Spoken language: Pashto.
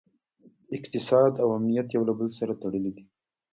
اقتصاد او امنیت یو له بل سره تړلي دي